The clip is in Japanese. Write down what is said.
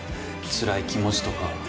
つらい気持ちとか。